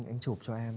thì anh chụp cho em